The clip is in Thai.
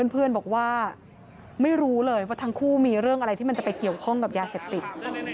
เพื่อนบอกว่าไม่รู้เลยว่าทั้งคู่มีเรื่องอะไรที่มันจะไปเกี่ยวข้องกับยาเสพติด